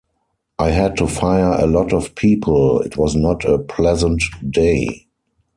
I had to fire a lot of people; it was not a pleasant day.